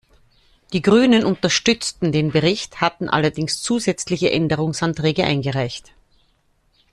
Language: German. Die Grünen unterstützten den Bericht, hatten allerdings zusätzliche Änderungsanträge eingereicht.